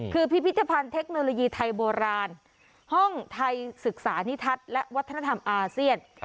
คือพิพิธภัณฑ์เทคโนโลยีไทยโบราณห้องไทยศึกษานิทัศน์และวัฒนธรรมอาเซียน